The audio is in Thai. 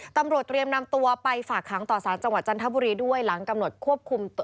ตำรวจเตรียมนำตัวไปฝากขังต่อสารจังหวัดจันทบุรีด้วยหลังกำหนดควบคุมตัว